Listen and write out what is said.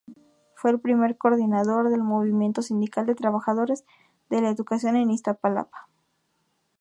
Fue el primer coordinador del Movimiento Sindical de Trabajadores de la Educación en Iztapalapa.